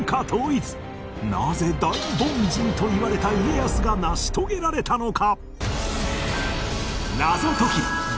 なぜ大凡人といわれた家康が成し遂げられたのか？